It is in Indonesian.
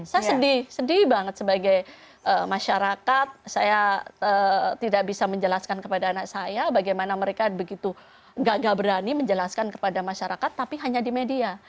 saya sedih sedih banget sebagai masyarakat saya tidak bisa menjelaskan kepada anak saya bagaimana mereka begitu gagal berani menjelaskan kepada masyarakat tapi hanya di media